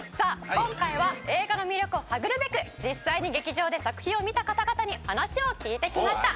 今回は映画の魅力を探るべく実際に劇場で作品を見た方々に話を聞いてきました。